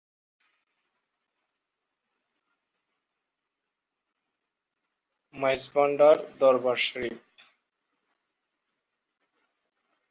এখানে টেক্সটাইল, কাগজের মণ্ড, কাগজ, পোড়ামাটির দ্রব্য, সার এবং প্রক্রিয়াজাত খাবারের কারখানা আছে।